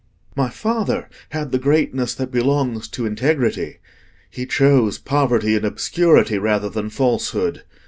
My father had the greatness that belongs to integrity; he chose poverty and obscurity rather than falsehood.